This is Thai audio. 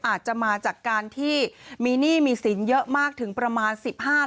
อาจจะมาจากการที่มีหนี้มีสินเยอะมากถึงประมาณ๑๕ล้าน